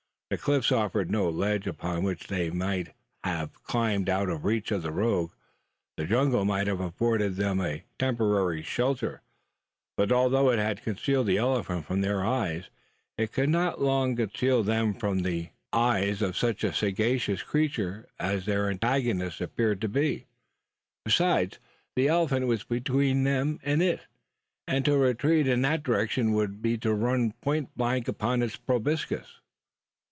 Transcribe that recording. The cliffs offered no ledge upon which they might have climbed out of reach of the rogue, the jungle might have afforded them a temporary shelter; but although it had concealed the elephant from their eyes, it could not long conceal them from the eyes of such a sagacious creature as their antagonist appeared to be. Besides, the elephant was between them and it, and to retreat in that direction would be to run point blank upon its proboscis!